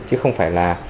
chứ không phải là